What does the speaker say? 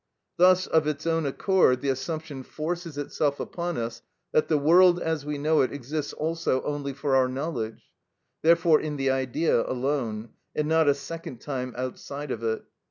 Thus of its own accord the assumption forces itself upon us, that the world, as we know it, exists also only for our knowledge, therefore in the idea alone, and not a second time outside of it.